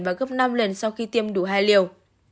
và gấp năm lần sau khi tiêm đủ hai liều